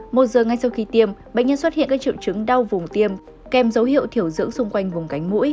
một giờ ngay sau khi tiêm bệnh nhân xuất hiện các triệu chứng đau vùng tiêm kèm dấu hiệu thiểu dưỡng xung quanh vùng cánh mũi